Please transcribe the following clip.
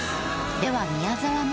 では宮沢も。